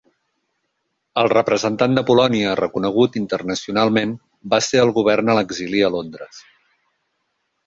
El representant de Polònia reconegut internacionalment va ser el govern a l'exili a Londres.